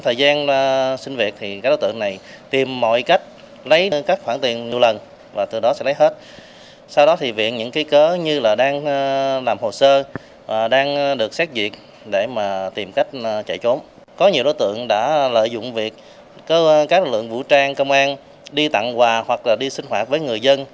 tuấn đã lợi dụng việc các lực lượng vũ trang công an đi tặng quà hoặc là đi sinh hoạt với người dân